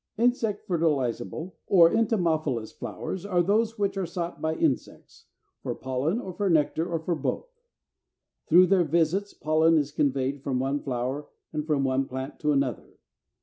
335. =Insect fertilizable or Entomophilous= flowers are those which are sought by insects, for pollen or for nectar, or for both. Through their visits pollen is conveyed from one flower and from one plant to another.